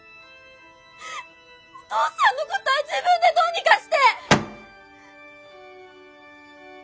お父さんのことは自分でどうにかして！